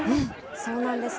そうなんです。